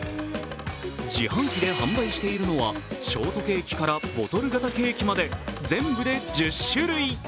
自販機で販売しているのはショートケーキからボトル型ケーキまで全部で１０種類。